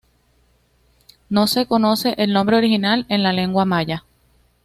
No se conoce el nombre original en lengua maya.